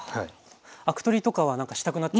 アク取りとかはしたくなっちゃう。